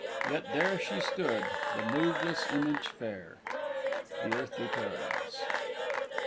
Yet there She stood, the moveless image fair!" _The Earthly Paradise.